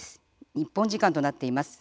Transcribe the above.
日本時間となっています。